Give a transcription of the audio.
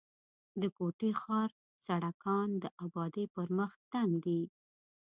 د کوټي ښار سړکان د آبادۍ پر مخ تنګ دي.